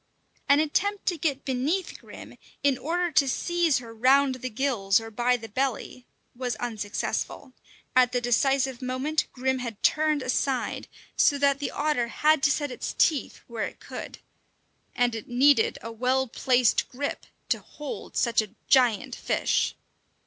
An attempt to get beneath Grim, in order to seize her round the gills or by the belly, was unsuccessful; at the decisive moment Grim had turned aside, so that the otter had to set its teeth where it could. And it needed a well placed grip to hold such a giant fish.